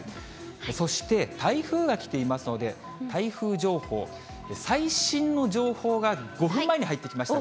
そして、台風が来ていますので、台風情報、最新の情報が５分前に入ってきました。